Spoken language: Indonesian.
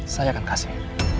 saya akan kasih